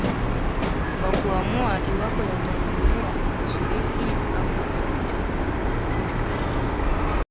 wa kuamua iwapo yataendelea na sheria hiyo au la